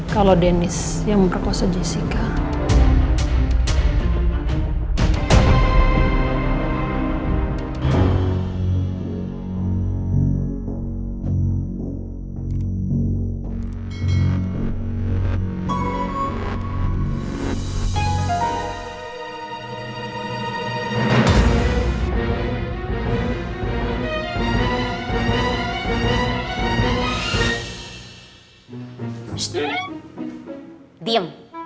kalau dennis yang memperkuasa jessica